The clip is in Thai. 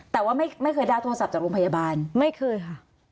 แต่ว่าไม่เคยได้โทรศัพท์จากโรงพยาบาลไม่เคยค่ะ